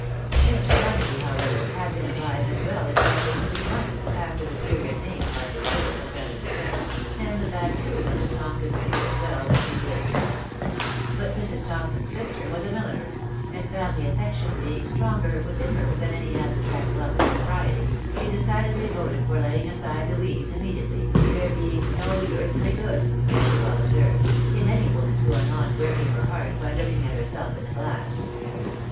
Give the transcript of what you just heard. Mr. Barnaby, however, had been alive and well exactly three months after the period named by his widow <as that of his death ; and ihat, too, Mrs. Tomkm* knew as well as she did; but Mrs. Tompkins' sister was a 'milliner, and family af fection being stronger within her than any abstract lovse of propriety, she decidedly voted for laying aside the weeds im mediately, there neing "no yeartbly good," as she wefl ob served, " in any woman's going on breaking her heart by look ing at herself in the glass."